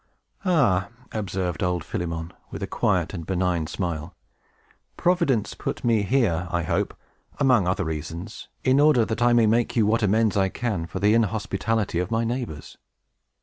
"Ah!" observed old Philemon, with a quiet and benign smile, "Providence put me here, I hope, among other reasons, in order that I may make you what amends I can for the inhospitality of my neighbors."